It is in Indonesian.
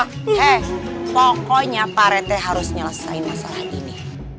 hei pokoknya pak rethe harus nyelesain masalah ini